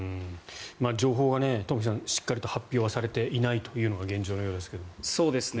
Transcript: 情報がトンフィさんしっかりと発表されていないのが現状のようですが。